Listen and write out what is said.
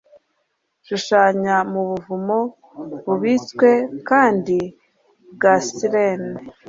shushanya mu buvumo bubitswe kandi bwa siren